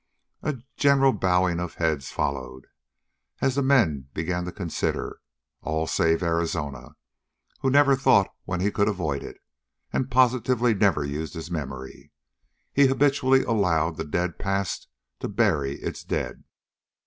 A general bowing of heads followed, as the men began to consider, all save Arizona, who never thought when he could avoid it, and positively never used his memory. He habitually allowed the dead past to bury its dead.